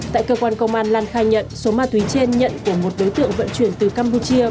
tại cơ quan công an lan khai nhận số ma túy trên nhận của một đối tượng vận chuyển từ campuchia